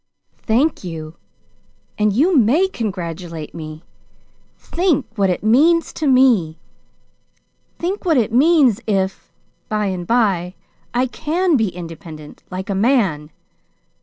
"Thank you and you may congratulate me. Think what it means to me. Think what it means if, by and by, I can be independent, like a man.